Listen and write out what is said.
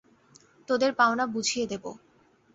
তোদের পাওনা বুঝিয়ে দেবো।